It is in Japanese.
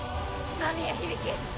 間宮響。